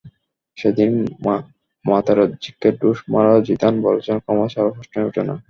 সেদিন মাতেরাজ্জিকে ঢুস মারা জিদান বলেছেন, ক্ষমা চাওয়ার প্রশ্নই ওঠে না।